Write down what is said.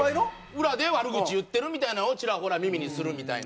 裏で悪口言ってるみたいなんをちらほら耳にするみたいな。